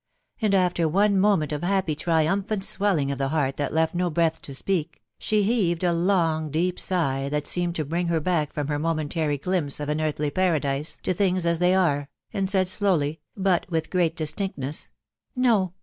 and after one moment of happy triumphant swelling of the heart that left no breath to speak, she heaved a long deep sigh that seemed to bring her back from her momentary glimpse of an earthly paradise to things as they are, and said slowly, but with great distinctness, " No